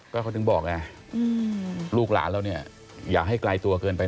ก็เขาถึงบอกไงลูกหลานเราเนี่ยอย่าให้ไกลตัวเกินไป